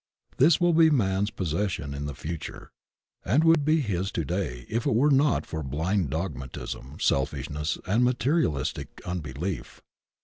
This will be man's possession in the future, and would be his to day were it not for blind dogmatism, selfishness and materialistic unbelief.